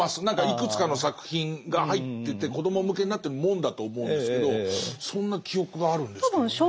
何かいくつかの作品が入ってて子ども向けになってるもんだと思うんですけどそんな記憶があるんですけどね。